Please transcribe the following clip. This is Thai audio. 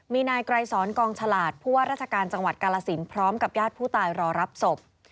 มีนายไกรสอนกองฉลาดผู้ว่าราชการจังหวัดกาลสินพร้อมกับญาติผู้ตายรอรับศพ